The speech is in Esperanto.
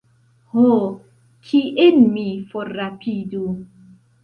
Ho, kien mi forrapidu?